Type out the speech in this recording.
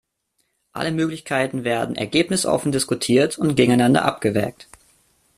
Alle Möglichkeiten werden ergebnisoffen diskutiert und gegeneinander abgewägt.